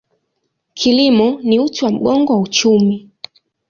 Kilimo ni uti wa mgongo wa uchumi.